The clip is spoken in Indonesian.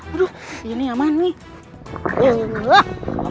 aduh ini aman nih